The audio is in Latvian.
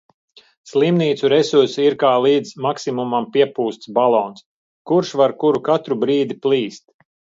Slimnīcu resursi ir kā līdz maksimumam piepūsts balons, kurš var kuru katru brīdi plīst.